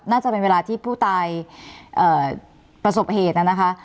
น่าจะเป็นเวลาที่ผู้ตายประสบเหตุนะคะ